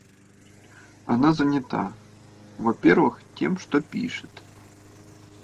Она занята, во-первых, тем, что пишет.